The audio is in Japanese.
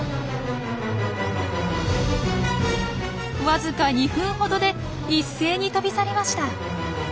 わずか２分ほどで一斉に飛び去りました。